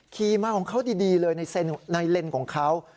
ขี่มาของเขาดีเลยในเลนส์ของเขา